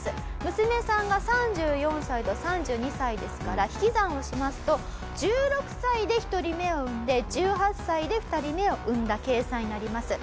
娘さんが３４歳と３２歳ですから引き算をしますと１６歳で１人目を産んで１８歳で２人目を産んだ計算になります。